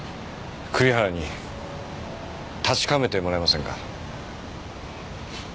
栗原に確かめてもらえませんか？